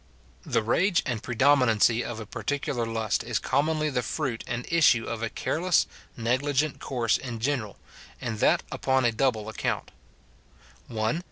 The rage and predominancy of a particular lust is commonly the fruit and issue of a careless, negligent course in general, and that upon a double account :— [1.